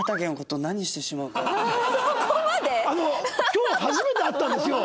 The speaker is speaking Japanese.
今日初めて会ったんですよ。